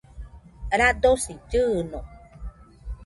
radosi llɨɨno